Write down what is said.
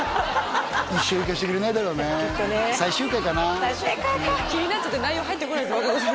一生行かせてくれないだろうねきっとね最終回かな最終回か気になっちゃって内容入ってこないです